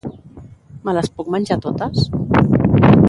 Me les puc menjar totes?